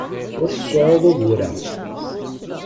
Ur tseɛɛuḍ ugur-a.